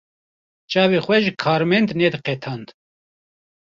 Çavê xwe ji karmend nediqetand.